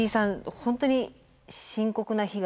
本当に深刻な被害。